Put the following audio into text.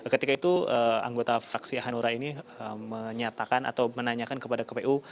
ketika itu anggota fraksi hanura ini menyatakan atau menanyakan kepada kpu